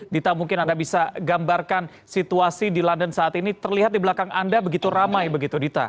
dita mungkin anda bisa gambarkan situasi di london saat ini terlihat di belakang anda begitu ramai begitu dita